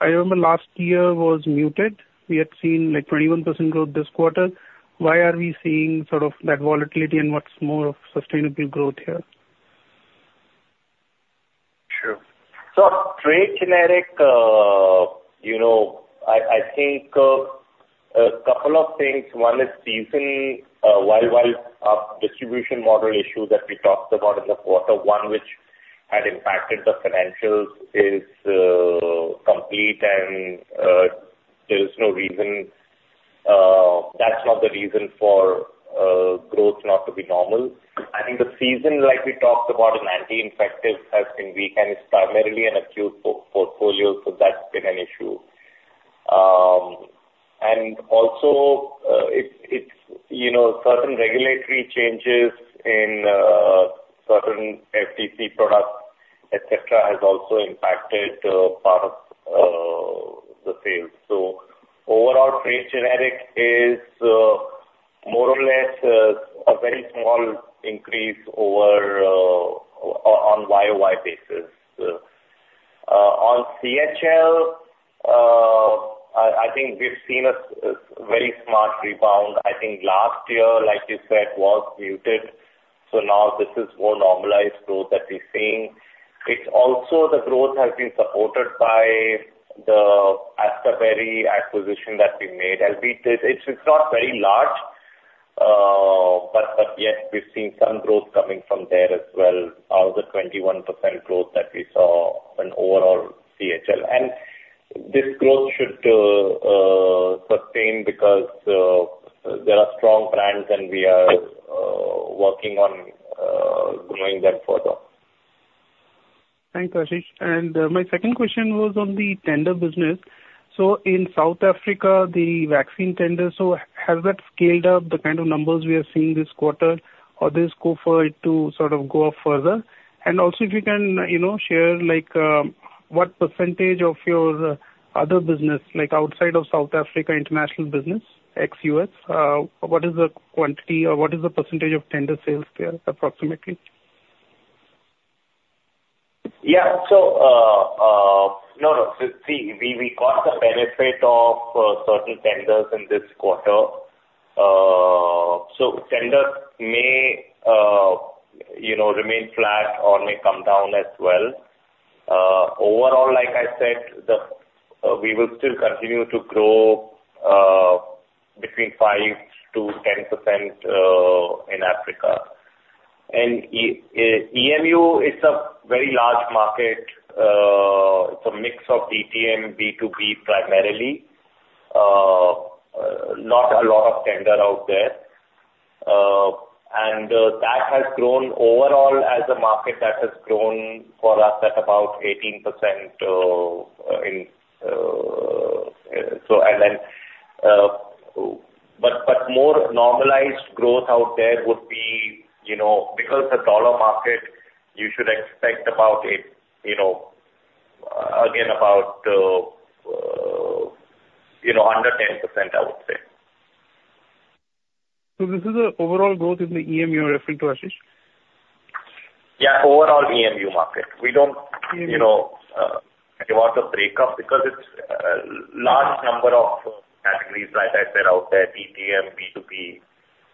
I remember last year was muted. We had seen, like, 21% growth this quarter. Why are we seeing sort of that volatility, and what's more of sustainable growth here? Sure. So trade generic, you know, I think a couple of things. One is seasonally, while the distribution model issue that we talked about in the quarter, one which had impacted the financials, is complete, and there is no reason. That's not the reason for growth not to be normal. I think the season, like we talked about in anti-infectives, has been weak, and it's primarily an acute portfolio, so that's been an issue. And also, it's you know, certain regulatory changes in certain FDC products, et cetera, has also impacted part of the sales. So overall, trade generic is more or less a very small increase over on YOY basis. On CHL, I think we've seen a very smart rebound. I think last year, like you said, was muted, so now this is more normalized growth that we're seeing. It's also the growth has been supported by the Astaberry acquisition that we made. It's not very large, but yes, we've seen some growth coming from there as well, out of the 21% growth that we saw on overall CHL. And this growth should sustain because there are strong brands, and we are working on growing them further. Thanks, Ashish. And, my second question was on the tender business. So in South Africa, the vaccine tender, so has that scaled up the kind of numbers we are seeing this quarter, or there's scope for it to sort of go up further? And also, if you can, you know, share, like, what percentage of your other business, like outside of South Africa, international business, ex-US, what is the quantity or what is the percentage of tender sales there, approximately? Yeah. So, no, no, so see, we got the benefit of certain tenders in this quarter. So tenders may, you know, remain flat or may come down as well. Overall, like I said, we will still continue to grow between 5% to 10% in Africa. And EM-EU is a very large market. It's a mix of DPM, B2B, primarily. Not a lot of tender out there. And that has grown overall as a market that has grown for us at about 18% in. So, and then, but more normalized growth out there would be, you know, because the dollar market, you should expect about 8, you know, again, about under 10%, I would say. So this is the overall growth in the EMEU you're referring to, Ashish? Yeah, overall EMU market. We don't, you know, divide the breakup because it's a large number of categories, like I said, out there, DPM, B2B.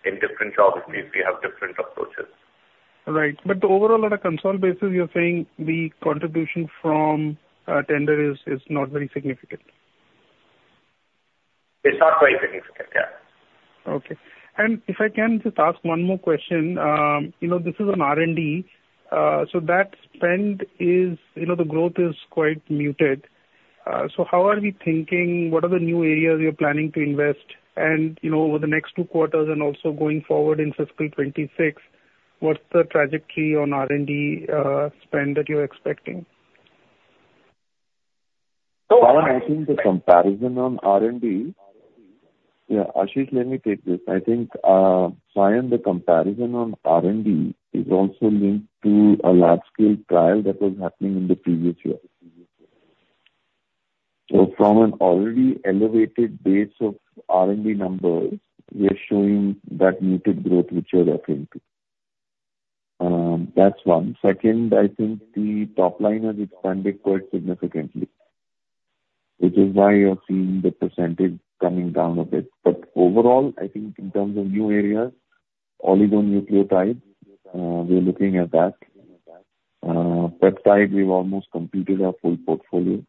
In different geographies, we have different approaches. Right. But the overall on a consolidated basis, you're saying the contribution from tender is not very significant? It's not very significant, yeah. Okay. And if I can just ask one more question. You know, this is on R&D. So how are we thinking? What are the new areas you're planning to invest? And, you know, over the next two quarters and also going forward in fiscal twenty-six, what's the trajectory on R&D spend that you're expecting? So I think the comparison on R&D. Yeah, Ashish, let me take this. I think, Saion, the comparison on R&D is also linked to a large-scale trial that was happening in the previous year. So from an already elevated base of R&D numbers, we are showing that muted growth which you're referring to. That's one. Second, I think the top line has expanded quite significantly, which is why you're seeing the percentage coming down a bit. But overall, I think in terms of new areas, oligonucleotide, we're looking at that. Peptide, we've almost completed our full portfolio.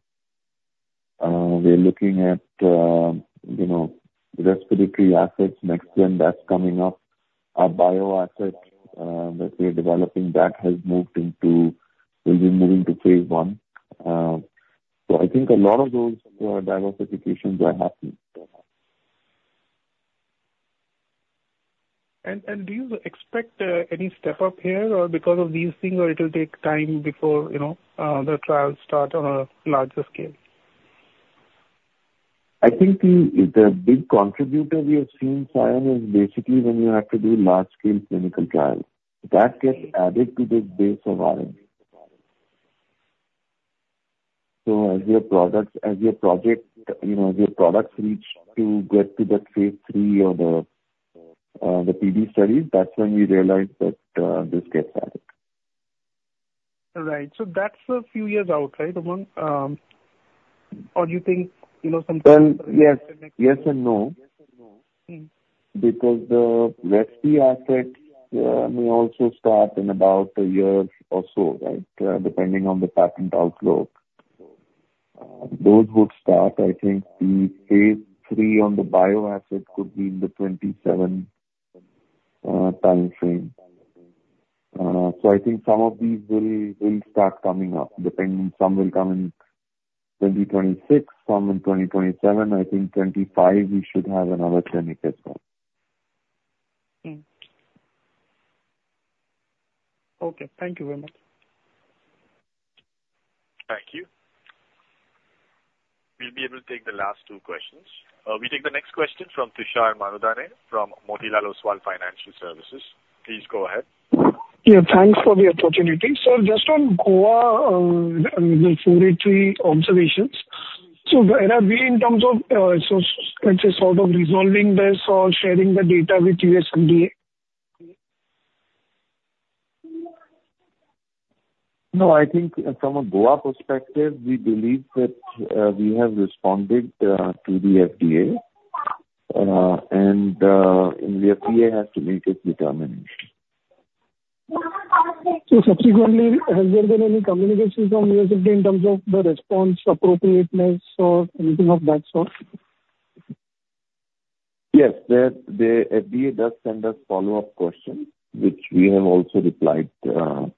We're looking at, you know, respiratory assets. Next gen, that's coming up. Our bio assets, that we are developing, that has moved into. Will be moving to phase one. So I think a lot of those, diversifications are happening. Do you expect any step up here or because of these things, or it will take time before, you know, the trials start on a larger scale? I think the big contributor we are seeing, Saion, is basically when you have to do large-scale clinical trials, that gets added to the base of R&D. So as your products, as your project, you know, as your products reach to get to that phase three or the the PD studies, that's when we realize that, this gets added. Right. So that's a few years out, right, Aman? Or do you think you know something- Yes. Yes and no. Mm. Because the Respi assets may also start in about a year or so, right? Depending on the patent outflow. Those would start, I think, the phase three on the bio asset could be in the 2027 time frame. So I think some of these will start coming up, depending. Some will come in 2026, some in 2027. I think 2025, we should have another clinical trial. Okay. Thank you very much. Thank you. We'll be able to take the last two questions. We take the next question from Tushar Manudhane, from Motilal Oswal Financial Services. Please go ahead. Yeah, thanks for the opportunity. So just on Goa, the observations. So where are we in terms of, so let's say, sort of resolving this or sharing the data with U.S. FDA? No, I think from a Goa perspective, we believe that we have responded to the FDA, and the FDA has to make its determination. So subsequently, has there been any communications from U.S. FDA in terms of the response, appropriateness or anything of that sort? Yes, the FDA does send us follow-up questions, which we have also replied to.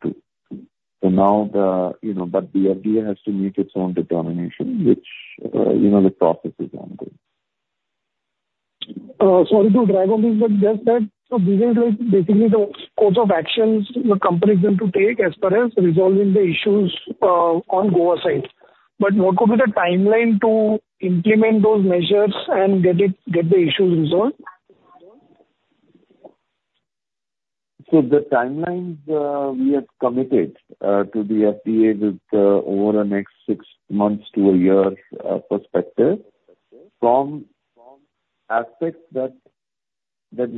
So now the... You know, but the FDA has to make its own determination, which, you know, the process is ongoing. Sorry to drive on this, but just that, so we will like basically the course of actions the company is going to take as far as resolving the issues on Goa side. But what could be the timeline to implement those measures and get the issues resolved? So the timelines we have committed to the FDA with over the next six months to a year perspective. From aspects you know that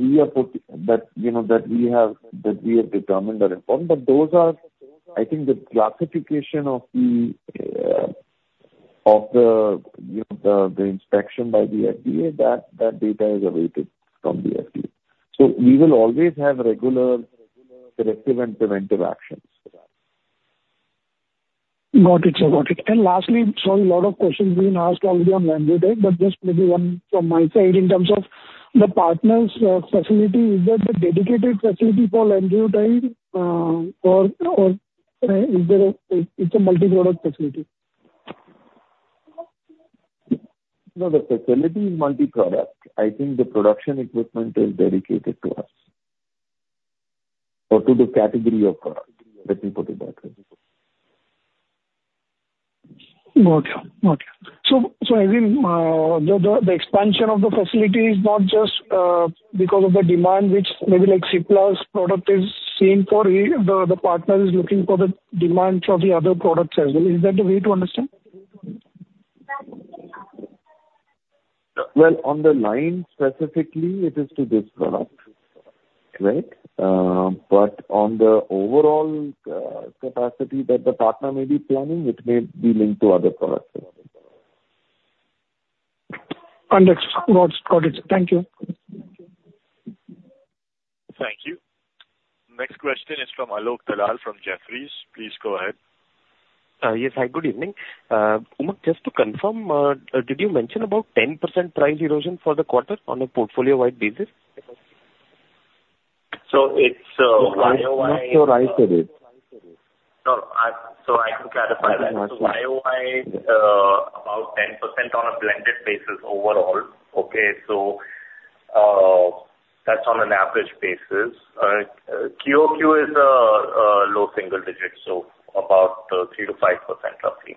we have determined or informed, but those are, I think, the classification of the inspection by the FDA, that data is awaited from the FDA. So we will always have regular corrective and preventive actions for that. Got it. Got it. And lastly, so a lot of questions being asked already on Lanreotide, but just maybe one from my side in terms of the partners' facility. Is that a dedicated facility for Lanreotide, or is it a multi-product facility? No, the facility is multi-product. I think the production equipment is dedicated to us or to the category of product, let me put it that way. Got you. Got you. So, so as in, the expansion of the facility is not just because of the demand, which maybe like Cipla's product is seen for, the partner is looking for the demands of the other products as well. Is that the way to understand?... Well, on the line specifically, it is to this product, right? But on the overall capacity that the partner may be planning, it may be linked to other products. Understood. Got it. Thank you. Thank you. Next question is from Alok Dalal from Jefferies. Please go ahead. Yes. Hi, good evening. Umang, just to confirm, did you mention about 10% price erosion for the quarter on a portfolio-wide basis? So it's YOY- I'm not sure I said it. No, so I can clarify that. So YOY, about 10% on a blended basis overall. Okay, so, that's on an average basis. QOQ is low single digits, so about 3%-5% roughly.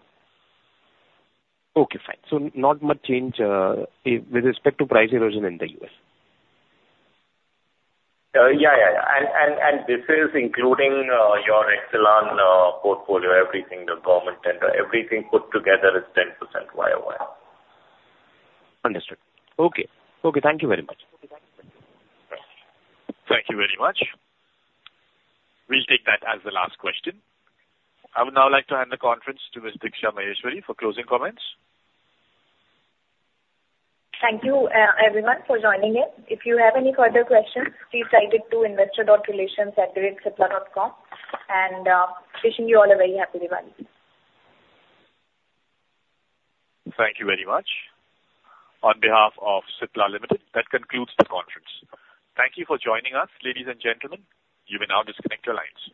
Okay, fine. So not much change with respect to price erosion in the U.S.? Yeah. This is including your Exelon portfolio, everything, the government tender, everything put together is 10% YOY. Understood. Okay. Okay, thank you very much. Thank you very much. We'll take that as the last question. I would now like to hand the conference to Ms. Diksha Maheshwari for closing comments. Thank you, everyone, for joining in. If you have any further questions, please write it to investor.relations@cipla.com, and wishing you all a very happy Diwali. Thank you very much. On behalf of Cipla Limited, that concludes the conference. Thank you for joining us, ladies and gentlemen. You may now disconnect your lines.